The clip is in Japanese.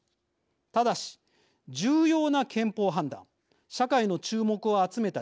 ただし重要な憲法判断社会の注目を集めた事件